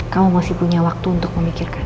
kamu masih punya waktu untuk memikirkan